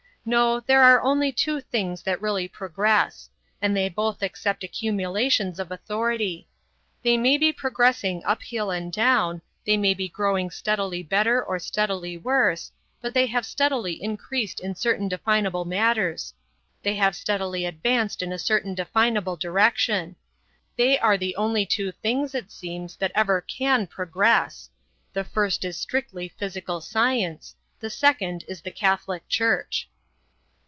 No; there are only two things that really progress; and they both accept accumulations of authority. They may be progressing uphill and down; they may be growing steadily better or steadily worse; but they have steadily increased in certain definable matters; they have steadily advanced in a certain definable direction; they are the only two things, it seems, that ever can progress. The first is strictly physical science. The second is the Catholic Church."